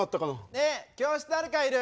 ねえ教室誰かいる？